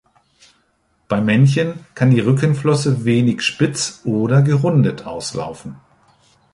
Bei Männchen kann die Rückenflosse wenig spitz oder gerundet auslaufen.